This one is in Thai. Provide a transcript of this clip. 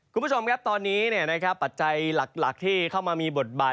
คุณผู้ชมครับตอนนี้ปัจจัยหลักที่เข้ามามีบทบาท